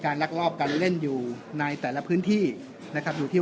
ลักลอบการเล่นอยู่ในแต่ละพื้นที่นะครับอยู่ที่